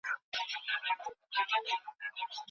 دولت بايد د ټولو وګړو امنيت خوندي کړي.